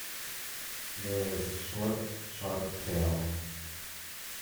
There is short, sharp tail.